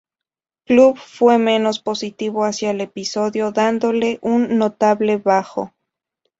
Club fue menos positivo hacia el episodio, dándole un Notable bajo.